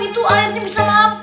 itu airnya bisa mampet